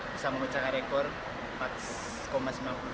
bisa merahimkan limas